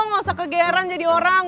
masa kegeran jadi orang